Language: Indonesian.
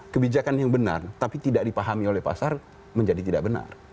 kebijakan yang benar tapi tidak dipahami oleh pasar menjadi tidak benar